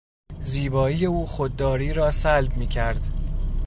زیبایی او خودداری را سلب میکرد.